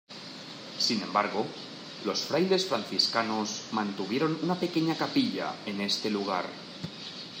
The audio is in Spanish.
Sin embargo, los frailes franciscanos mantuvieron una pequeña capilla en este lugar.